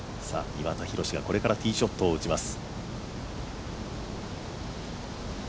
岩田寛がこれからティーショットを打ちます。